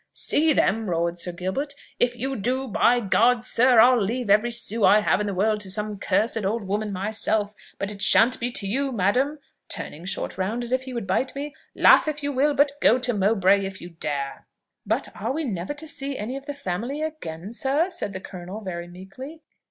'See them! 'roared Sir Gilbert. 'If you do, by G d, sir, I'll leave every sou I have in the world to some cursed old woman myself; but it shan't be to you, madam,' turning short round as if he would bite me: 'laugh if you will, but go to Mowbray if you dare!' "'But are we never to see any of the family again, sir?' said the colonel very meekly.